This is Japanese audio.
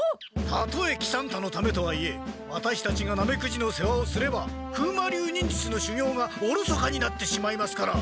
たとえ喜三太のためとはいえワタシたちがナメクジの世話をすれば風魔流忍術のしゅぎょうがおろそかになってしまいますから！